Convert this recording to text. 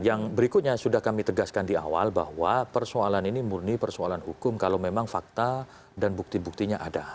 yang berikutnya sudah kami tegaskan di awal bahwa persoalan ini murni persoalan hukum kalau memang fakta dan bukti buktinya ada